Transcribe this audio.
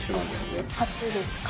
初ですか？